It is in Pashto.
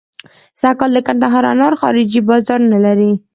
سږکال د کندهار انار خارجي بازار نه لري.